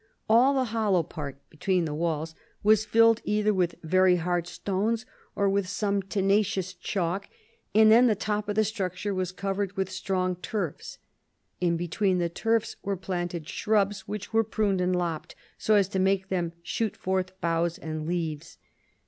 All the hollow part [be tween the walls] was filled either with very hard stones, or with most tenacious chalk, and then the top of the structure was covered with strong turfs. In between the turfs were planted shrubs which were pruned and lopped, so as to make them shoot forth boughs and leaves.